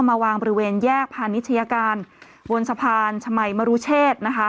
มาวางบริเวณแยกพาณิชยาการบนสะพานชมัยมรุเชษนะคะ